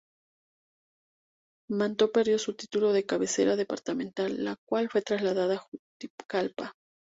Manto perdió su título de cabecera departamental, la cual fue trasladada a Juticalpa.